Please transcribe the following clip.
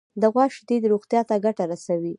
د غوا شیدې روغتیا ته ګټه رسوي.